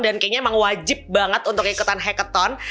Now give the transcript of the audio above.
dan kayaknya emang wajib banget untuk ikutan hackathon